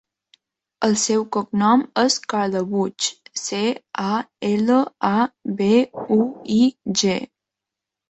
El seu cognom és Calabuig: ce, a, ela, a, be, u, i, ge.